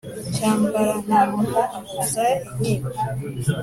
Cyambarantama ahuza inkiko